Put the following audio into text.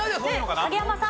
影山さん。